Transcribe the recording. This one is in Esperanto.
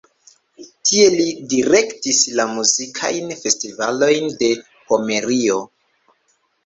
Tie li direktis la muzikajn festivaloj de Pomerio.